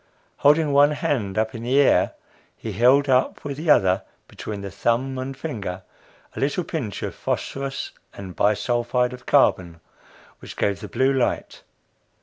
Holding one hand up in the air, he held up with the other, between the thumb and finger, a little pinch of phosphorus and bi sulphide of carbon, which gave the blue light.